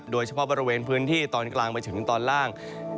โดยเฉพาะบริเวณพื้นที่ตอนกลางไปถึงตอนล่าง